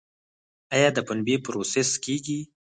آیا د پنبې پروسس کیږي؟